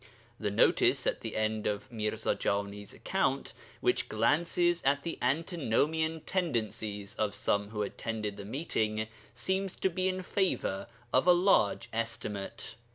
The notice at the end of Mirza Jani's account, which glances at the antinomian tendencies of some who attended the Meeting, seems to be in favour of a large estimate.